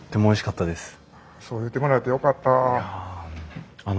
そう言ってもらえてよかったあ。